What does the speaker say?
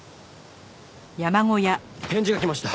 返事が来ました。